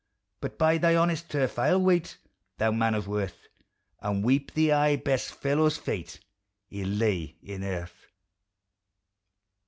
But by thy honest turf I '11 wait, Thou man of worth ! And weep the ae best fellow's fate E'er lay in earth.